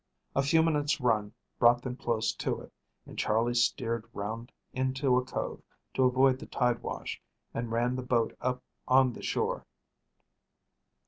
A few minutes' run brought them close to it, and Charley steered round into a cove, to avoid the tide wash, and ran the boat up on the shore.